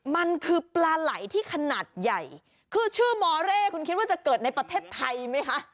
มันคือปลาไหล่ที่ขนาดใหญ่คือชื่อมอเร่คุณคิดว่าจะเกิดในประเทศไทยไหมคะ